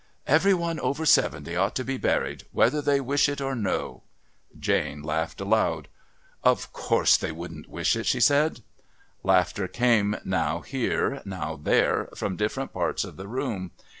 "Every one over seventy ought to be buried whether they wish it or no." Joan laughed aloud. "Of course they wouldn't wish it," she said. Laughter came, now here, now there, from different parts of the room.